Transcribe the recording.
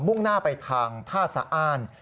่งหน้าไปทางท่าสะอ้าน